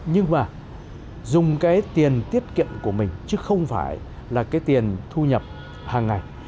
nhưng mà dùng cái tiền tiết kiệm của mình chứ không phải là cái tiền thu nhập hàng ngày